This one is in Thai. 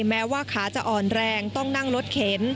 แม้ว่าขาจะอ่อนแรงต้องนั่งรถเข็น